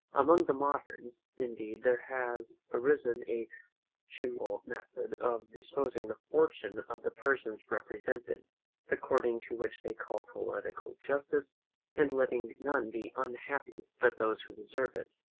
Among the moderns, indeed, there has arisen a chimerical method of disposing the fortune of the persons represented, according to what they call poetical justice; and letting none be unhappy but those who deserve it.